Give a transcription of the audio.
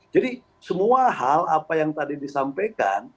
semua hal apa yang tadi disampaikan